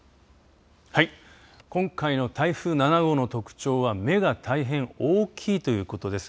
はい、今回の台風７号の特徴は目が大変大きいということです。